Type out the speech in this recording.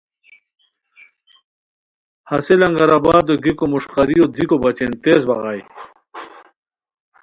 ہسے لنگر آبادو گیکو مݰقاریو دیکو بچین تیز بغائے